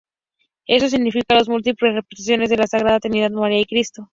Esto explica las múltiples representaciones de la sagrada trinidad, María y Cristo.